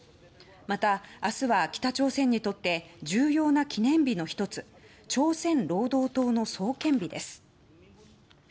また、明日は北朝鮮にとって重要な記念日の１つ朝鮮労働党の創建日です。